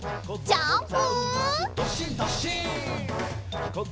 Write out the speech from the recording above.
ジャンプ！